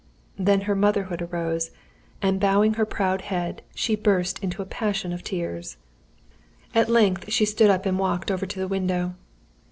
Then her motherhood arose; and bowing her proud head, she burst into a passion of tears. At length she stood up and walked over to the window.